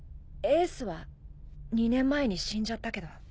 エースは２年前に死んじゃったけど。